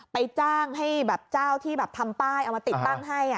จ้างให้แบบเจ้าที่แบบทำป้ายเอามาติดตั้งให้